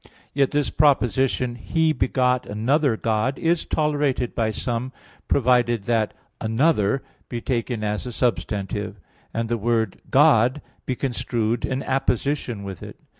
Yet this proposition "He begot another God" is tolerated by some, provided that "another" be taken as a substantive, and the word "God" be construed in apposition with it.